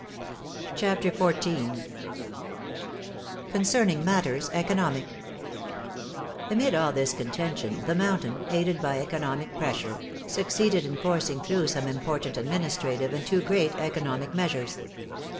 CHAPTER XIV CONCERNING MATTERS ECONOMIC Amid all this contention the Mountain, aided by eco nomic pressure, succeeded in forcing through some im portant administrative, and two great economic measures.